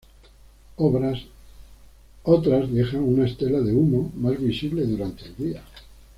Otras dejan una estela de humo, más visible durante el día.